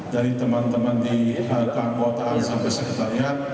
dari teman teman di kampung wata'al sampai sekretariat